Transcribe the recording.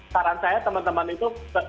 saran saya teman teman itu